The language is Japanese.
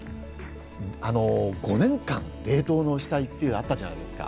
５年間、冷凍の死体ってあったじゃないですか。